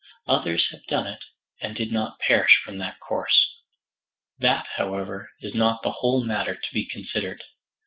Others have done it and did not perish from that course. "That, however, is not the whole matter to be considered.